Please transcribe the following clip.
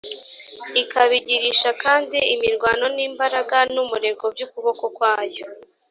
ikabigirisha kandi imirwano, n’imbaraga n’umurego by’ukuboko kwayo